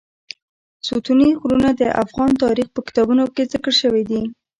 ستوني غرونه د افغان تاریخ په کتابونو کې ذکر شوی دي.